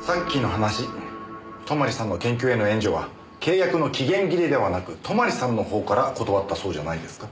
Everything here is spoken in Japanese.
さっきの話泊さんの研究への援助は契約の期限切れではなく泊さんの方から断ったそうじゃないですか。